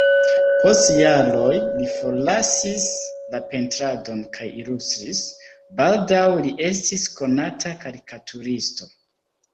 Post jaroj li forlasis la pentradon kaj ilustris, baldaŭ li estis konata karikaturisto.